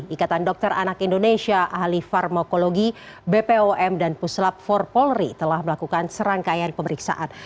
ikatan dokter anak indonesia ahli farmokologi bpom dan puslap empat polri telah melakukan serangkaian pemeriksaan